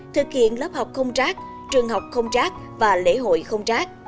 thực hiện lớp học không rác trường học không rác và lễ hội không rác